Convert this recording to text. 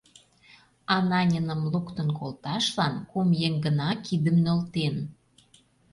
Ананиным луктын колташлан кум еҥ гына кидым нӧлтен.